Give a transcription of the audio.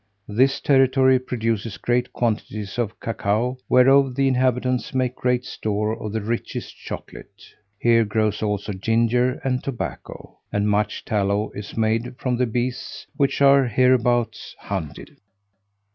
This territory produces great quantities of cacao, whereof the inhabitants make great store of the richest chocolate. Here grows also ginger and tobacco, and much tallow is made of the beasts which are hereabouts hunted.